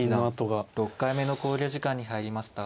勝又七段６回目の考慮時間に入りました。